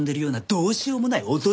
どうしようもない大人。